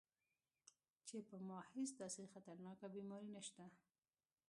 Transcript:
چې پۀ ما هېڅ داسې خطرناکه بيماري نشته -